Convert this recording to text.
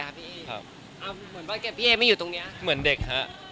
ไม่แขลาฮะ